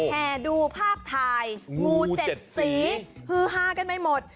แห่ดูภาพถ่ายงูเจ็ดสีฮือฮากันไม่หมด